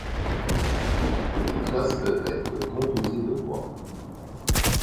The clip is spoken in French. Les crosses peuvent être composées de bois.